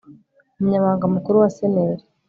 Umunyamabanga Mukuru wa SNER